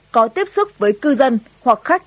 có tiếp xúc với cư dân hoặc khách